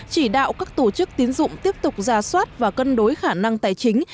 chỉ đạo các tổ chức tiến dụng tiếp tục ra soát và cân đối khả năng tài chính